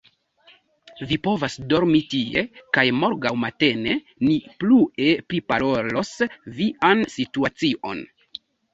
Vi povas dormi tie, kaj morgaŭ matene ni plue priparolos vian situacion.